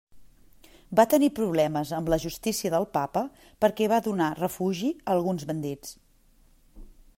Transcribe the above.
Va tenir problemes amb la justícia del Papa perquè va donar refugi a alguns bandits.